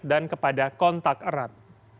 dan kepada kontak erat